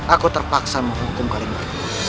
aku terpaksa menghukum kalian